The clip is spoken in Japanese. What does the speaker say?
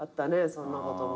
そんなことも。